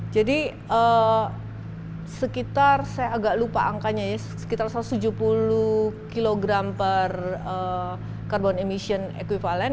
jadi sekitar saya agak lupa angkanya ya sekitar satu ratus tujuh puluh kg per karbon emission equivalent